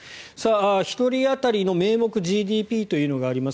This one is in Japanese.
１人当たりの名目ＧＤＰというのがあります。